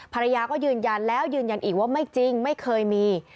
ภรรยาก็ยืนยันแล้วยืนยันอีกว่าไม่จริงไม่เคยมี